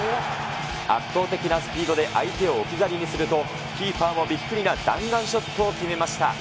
圧倒的なスピードで相手を置き去りにすると、キーパーもびっくりな弾丸ショットを決めました。